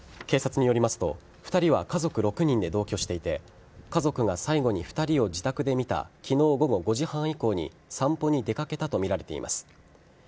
警察によりますと２人は家族６人で同居していて家族が最後に２人を自宅で見た昨日午後５時半以降に散歩に出かけたとみられています。